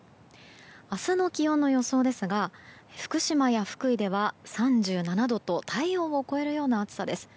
明日の気温の予想ですが福島や福井では、３７度と体温を超えるような暑さです。